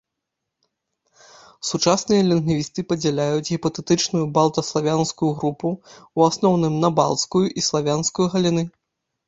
Сучасныя лінгвісты падзяляюць гіпатэтычную балта-славянскую групу ў асноўным на балцкую і славянскую галіны.